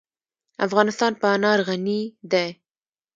افغانستان په انار غني دی.